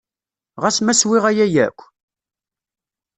Ɣas ma swiɣ aya akk?